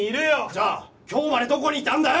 じゃあ今日までどこにいたんだよ！？